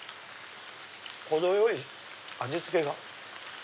程よい味付けが。